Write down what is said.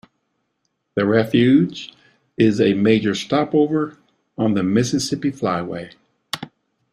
The refuge is a major stopover on the Mississippi Flyway.